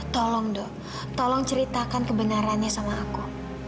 tolong dong tolong ceritakan kebenarannya sama aku